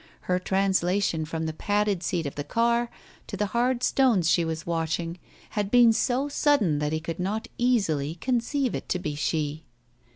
Her translation from the padded seat of the car to the hard stones she was washing had been so sudden that he could not easily conceive it to be she.